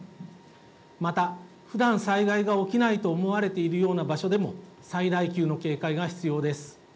また、ふだん災害が起きないと思われているような場所でも、最大級の警戒が必要です。